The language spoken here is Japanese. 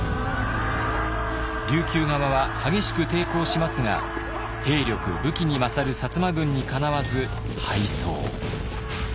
琉球側は激しく抵抗しますが兵力武器に勝る摩軍にかなわず敗走。